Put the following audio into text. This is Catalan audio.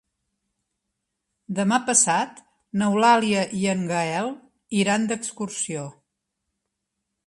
Demà passat n'Eulàlia i en Gaël iran d'excursió.